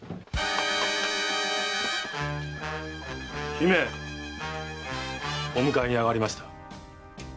姫お迎えにあがりました。